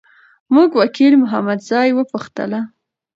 موږ وکیل محمدزی وپوښتله.